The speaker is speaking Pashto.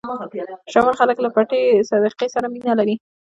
شتمن خلک له پټې صدقې سره مینه لري.